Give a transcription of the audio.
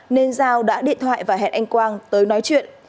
nên giao đã điện thoại và hẹn anh quang tới nói chuyện